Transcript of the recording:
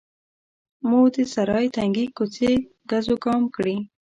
مو د سرای تنګې کوڅې ګزوګام کړې.